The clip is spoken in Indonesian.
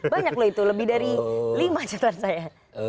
banyak loh itu lebih dari lima catatan saya